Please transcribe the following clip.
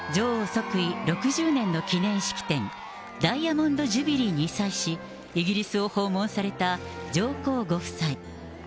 即位６０年の記念式典、ダイヤモンド・ジュビリーに際し、イギリスを訪問された上皇ご夫妻。